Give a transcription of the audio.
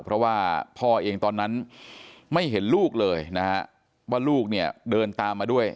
เพราะว่าพ่อเองตอนนั้นไม่เห็นลูกเลยนะฮะว่าลูกเนี่ยเดินตามมาด้วย